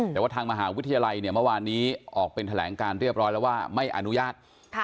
แต่ว่าทางมหาวิทยาลัยเนี่ยเมื่อวานนี้ออกเป็นแถลงการเรียบร้อยแล้วว่าไม่อนุญาต